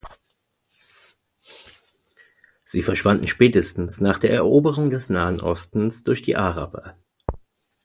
Sie verschwanden spätestens nach der Eroberung des Nahen Ostens durch die Araber.